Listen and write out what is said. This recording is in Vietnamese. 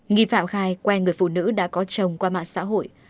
nghi phạm khai quen người phụ nữ đã có chồng qua mạng xã hội